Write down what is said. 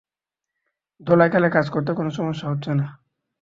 ধোলাইখালে কাজ করতে কোনো সমস্যা হচ্ছে না।